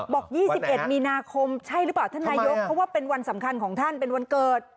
บอก๒๑มีนาคมใช่หรือเปล่าท่านนายกเพราะว่าเป็นวันสำคัญของท่านเป็นวันเกิด